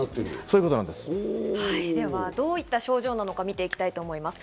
ではどういった症状なのか見ていきたいと思います。